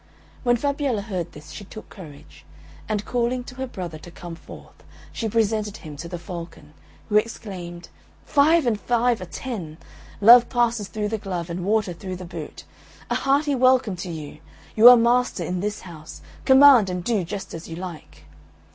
When Fabiella heard this she took courage, and calling to her brother to come forth, she presented him to the Falcon, who exclaimed, "Five and five are ten; love passes through the glove, and water through the boot. A hearty welcome to you! you are master in this house; command, and do just as you like."